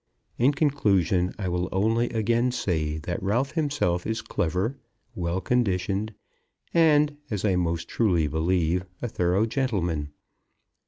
In conclusion, I will only again say that Ralph himself is clever, well conditioned, and, as I most truly believe, a thorough gentleman.